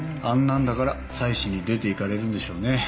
あんなんだから妻子に出ていかれるんでしょうね。